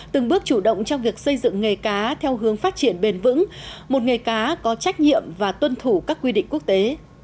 từng bước chủ động trong việc xây dựng nghề cá theo hướng phát triển bền vững một nghề cá có trách nhiệm và tuân thủ các quy định quốc tế